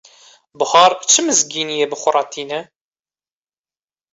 Buhar çi mizgîniyê bi xwe re tîne?